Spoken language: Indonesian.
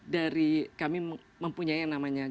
dari kami mempunyai yang namanya